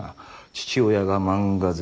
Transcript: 「父親が漫画好き。